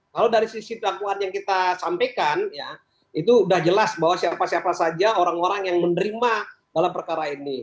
kalau dari sisi dakwaan yang kita sampaikan ya itu sudah jelas bahwa siapa siapa saja orang orang yang menerima dalam perkara ini